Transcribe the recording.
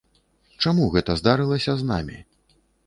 Чаму гэта здарылася з намі?